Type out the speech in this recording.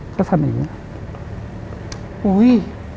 เขาทำอย่างนี้